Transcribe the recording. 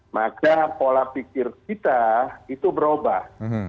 maka pola pikir kita itu berubah